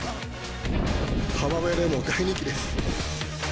浜辺でも大人気です。